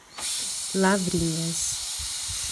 Lavrinhas